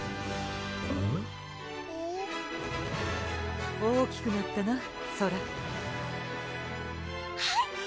える？大きくなったなソラはい！